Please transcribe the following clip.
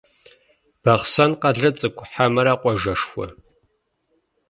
Бахъсэн къалэ цӏыкӏу хьэмэрэ къуажэшхуэ?